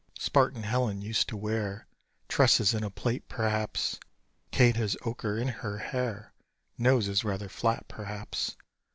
Spartan Helen used to wear Tresses in a plait, perhaps: Kate has ochre in her hair Nose is rather flat, perhaps.